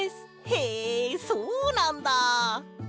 へえそうなんだ！